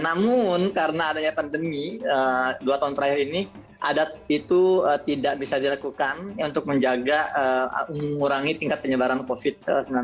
namun karena adanya pandemi dua tahun terakhir ini adat itu tidak bisa dilakukan untuk menjaga mengurangi tingkat penyebaran covid sembilan belas